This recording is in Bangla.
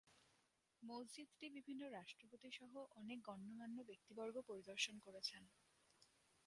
মসজিদটি বিভিন্ন রাষ্ট্রপতি সহ অনেক গণ্যমান্য ব্যক্তিবর্গ পরিদর্শন করেছেন।